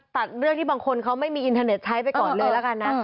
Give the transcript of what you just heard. ตัดเรื่องที่บางคนเขาไม่มีอินเทอร์เน็ตใช้ไปก่อนเลยละกันนะ